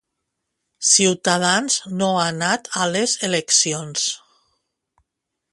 Ciutadans no ha anat a les eleccions